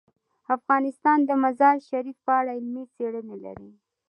افغانستان د مزارشریف په اړه علمي څېړنې لري.